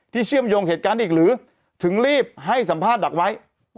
เชื่อมโยงเหตุการณ์อีกหรือถึงรีบให้สัมภาษณ์ดักไว้